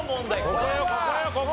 ここよここよここ！